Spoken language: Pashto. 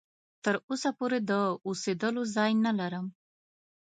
تر اوسه پوري د اوسېدلو ځای نه لرم.